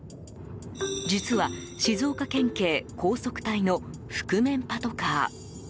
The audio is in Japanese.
実は静岡県警高速隊の覆面パトカー。